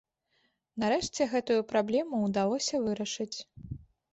Нарэшце гэтую праблему ўдалося вырашыць.